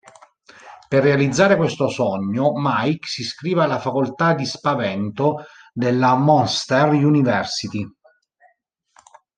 Per realizzare questo sogno, Mike si iscrive alla Facoltà di Spavento della Monsters University.